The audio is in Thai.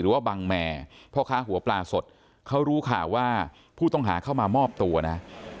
ว่าบังแมร์พ่อค้าหัวปลาสดเขารู้ข่าวว่าผู้ต้องหาเข้ามามอบตัวนะ